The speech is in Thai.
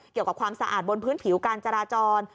กับความสะอาดบนพื้นผิวการจราจร